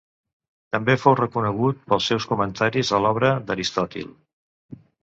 També fou reconegut pels seus comentaris a l'obra d'Aristòtil.